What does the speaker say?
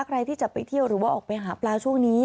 ใครที่จะไปเที่ยวหรือว่าออกไปหาปลาช่วงนี้